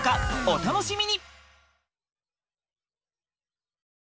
お楽しみに！